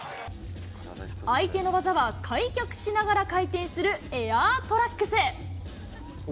相手の技は開脚しながら回転するエアートラックス。